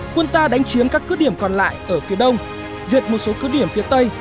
quân ta đánh chiếm các cứ điểm còn lại ở phía đông diệt một số cứ điểm phía tây